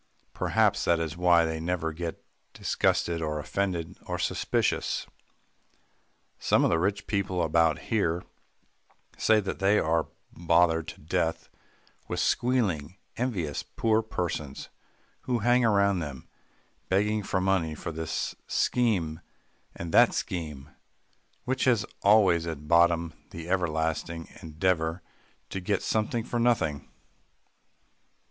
Perhaps that is why they never get disgusted or offended or suspicious. Some of the rich people about here say that they are bothered to death with squealing, envious poor persons, who hang round them, begging for money for this scheme and that scheme, which has always at bottom the everlasting endeavour to get something for nothing.